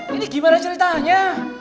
ini gimana ceritanya